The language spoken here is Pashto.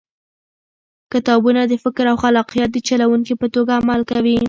کتابونه د فکر او خلاقیت د چلوونکي په توګه عمل کوي.